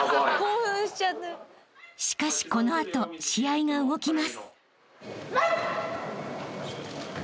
［しかしこの後試合が動きます］